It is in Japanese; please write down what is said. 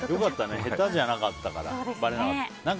下手じゃなかったからばれなかった。